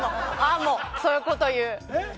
もうそういうこと言う。